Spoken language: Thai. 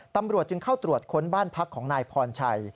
ตำรวจจึงเข้าตรวจค้นบ้านพักของนายพรชัย